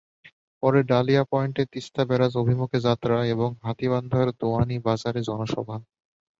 পরে ডালিয়া পয়েন্টে তিস্তা ব্যারাজ অভিমুখে যাত্রা এবং হাতিবান্ধার দোয়ানী বাজারে জনসভা।